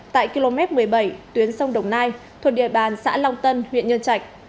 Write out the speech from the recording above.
tại km một mươi bảy tuyến sông đồng nai thuộc địa bàn xã long tân huyện nhân trạch